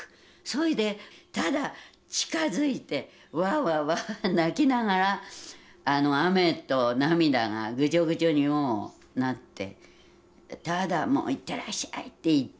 それでただ近づいてわあわあわあわあ泣きながらあの雨と涙がぐじょぐじょにもうなってただ行ってらっしゃいって言って送った。